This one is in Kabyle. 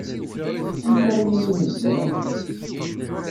Amek ara inin lǧiran?